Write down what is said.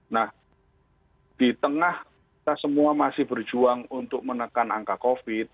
nah di tengah kita semua masih berjuang untuk menekan angka covid